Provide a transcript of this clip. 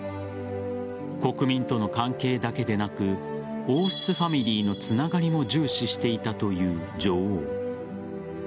国民との関係だけでなく王室ファミリーのつながりも重視していたという女王。